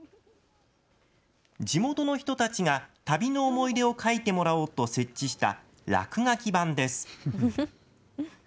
地元の人たちが旅の思い出を書いてもらおうと設置した落書き板です。